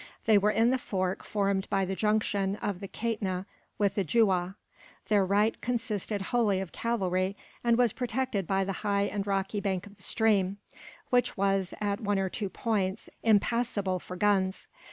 They were in the fork formed by the junction of the Kaitna with the Juah. Their right consisted wholly of cavalry, and was protected by the high and rocky bank of the stream; which was, at one or two points, impassable for guns.